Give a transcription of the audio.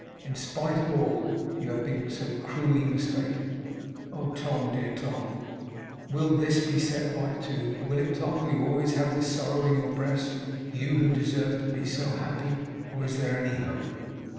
In spite of all, you have been so cruelly mistaken. Oh Tom, dear Tom, will THIS be set right too! Will it, Tom? Will you always have this sorrow in your breast; you who deserve to be so happy; or is there any hope?